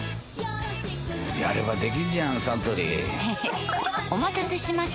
やればできんじゃんサントリーへへっお待たせしました！